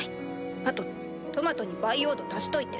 あとトマトに培養土足しといて。